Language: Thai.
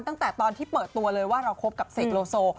ตั้งแต่ที่ตอนที่เปิดตัวเราร่วมกับเสกโลโซ